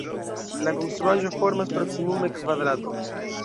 La konstruaĵo formas proksimume kvadrato.